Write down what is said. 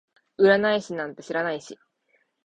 占い師なんて知らないし